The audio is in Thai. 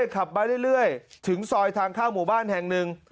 ขับมาเรื่อยถึงซอยทางเข้าหมู่บ้านแห่งหนึ่ง